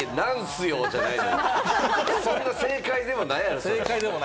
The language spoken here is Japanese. そんな正解でもないやろ。